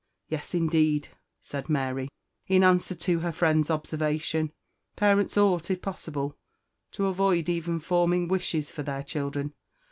"Yes, indeed," said Mary, in answer to her friend's observation, "parents ought, if possible, to avoid even forming wishes for their children.